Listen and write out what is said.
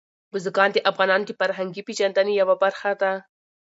بزګان د افغانانو د فرهنګي پیژندنې یوه برخه ده.